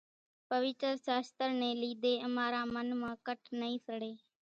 پويتر شاستر ني لِيڌي امارا من مان ڪٽَ نئِي سڙي